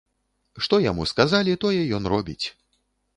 Што яму сказалі, тое ён робіць.